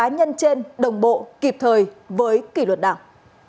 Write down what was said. cá nhân trên đồng bộ kịp thời với kỷ luật đảng